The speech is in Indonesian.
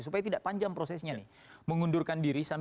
supaya tidak panjang prosesnya nih